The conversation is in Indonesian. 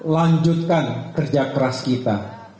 lanjutkan kerja keras kita